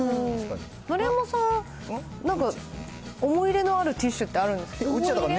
丸山さん、なんか思い入れのあるティッシュってあるんですか？